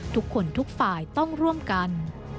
ทุกคนทุกฝ่ายต้องร่วมกัน